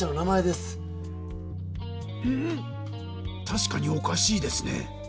たしかにおかしいですね。